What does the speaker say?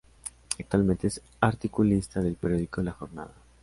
Actualmente es articulista del Periódico La Jornada.